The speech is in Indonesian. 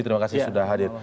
terima kasih sudah hadir